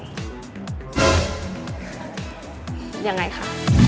ยังไงคะ